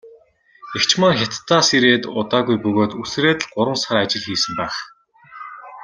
Эгч маань Хятадаас ирээд удаагүй бөгөөд үсрээд л гурван сар ажил хийсэн байх.